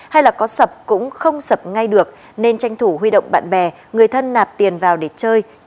hay là có sập cũng không sập ngay được nên tranh thủ huy động bạn bè người thân nạp tiền vào để chơi